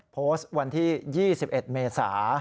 โพสต์วันที่๒๑เมษา